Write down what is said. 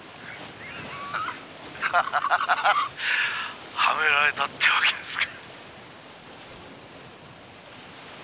「ハハハハハはめられたってわけですか」